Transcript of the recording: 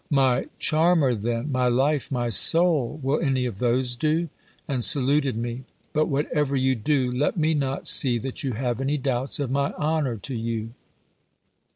_" "My charmer, then, my life, my soul: will any of those do?" and saluted me: "but whatever you do, let me not see that you have any doubts of my honour to you."